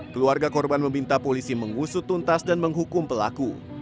keluarga korban meminta polisi mengusut tuntas dan menghukum pelaku